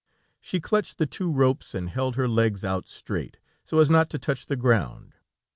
She clutched the two ropes, and held her legs out straight, so as not to touch the ground.